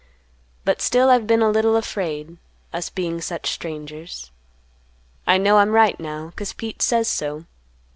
But still I've been a little afraid, us being such strangers. I know I'm right now, 'cause Pete says so.